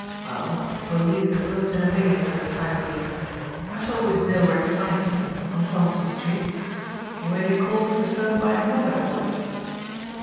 Well, we'll leave the rooms in abeyance for the time being. I shall always know where to find you on Thompson Street. You may be called to the phone by another voice.